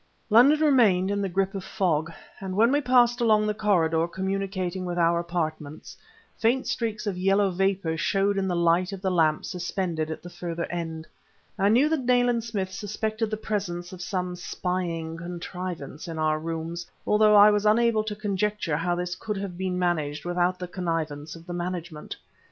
London remained in the grip of fog, and when we passed along the corridor communicating with our apartments, faint streaks of yellow vapor showed in the light of the lamp suspended at the further end. I knew that Nayland Smith suspected the presence of some spying contrivance in our rooms, although I was unable to conjecture how this could have been managed without the connivance of the management.